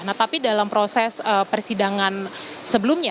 nah tapi dalam proses persidangan sebelumnya